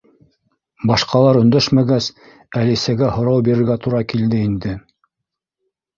Башҡалар өндәшмәгәс, Әлисәгә һорау бирергә тура килде инде.